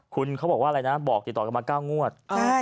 คุณเขาบอกว่าอะไรนะบอกติดต่อกันมา๙งวด